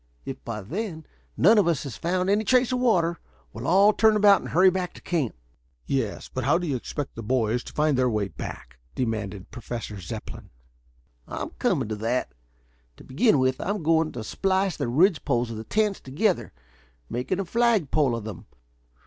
If by then none of us has found any trace of water, we'll all turn about and hurry hack to camp." "Yes, but how do you expect the boys to find their way hack?" demanded Professor Zepplin. "I'm coming to that. To begin with, I'm going to splice the ridge poles of the tents together, making a flagpole of them.